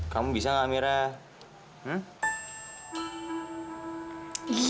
kamu bisa nggak amirah